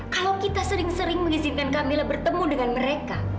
kalau kita sering sering mengizinkan kamila bertemu dengan mereka